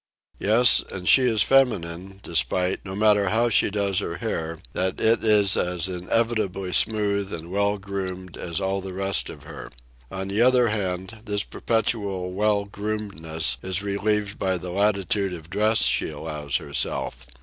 Yes, and she is feminine, despite, no matter how she does her hair, that it is as invariably smooth and well groomed as all the rest of her. On the other hand, this perpetual well groomedness is relieved by the latitude of dress she allows herself.